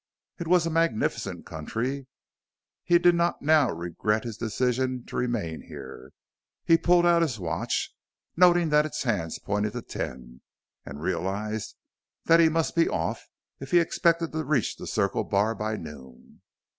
It was a magnificent country; he did not now regret his decision to remain here. He pulled out his watch, noting that its hands pointed to ten, and realized that he must be off if he expected to reach the Circle Bar by noon.